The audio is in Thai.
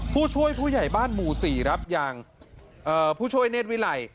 ผู้ช่วยผู้ใหญ่บ้านหมู่สี่รับยางเอ่อผู้ช่วยเนธวิไหล่